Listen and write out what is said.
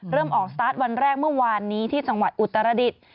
เริ่มออกสตาร์ทวันแรกเมื่อวานนี้ที่จังหวัดอุตรดิษฐ์